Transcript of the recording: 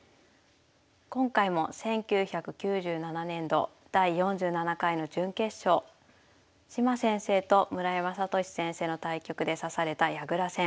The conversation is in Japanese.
今回も１９９７年度第４７回の準決勝島先生と村山聖先生の対局で指された矢倉戦。